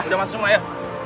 udah masuk semua ya